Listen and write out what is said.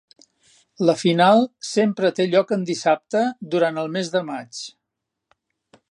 La final sempre té lloc en dissabte, durant el mes de maig.